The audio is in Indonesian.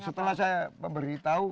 iya setelah saya memberitahu